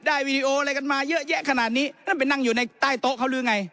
วีดีโออะไรกันมาเยอะแยะขนาดนี้นั่นไปนั่งอยู่ในใต้โต๊ะเขาหรือไง